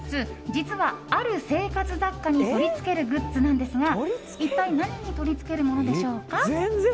実は、ある生活雑貨に取り付けるグッズなんですが一体何に取り付けるものでしょうか。